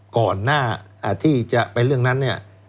ก่อนหน้าที่จะไปเรื่องนั้นเนี่ย